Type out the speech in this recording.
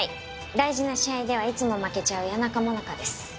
大事な試合ではいつも負けちゃう谷中萌奈佳です。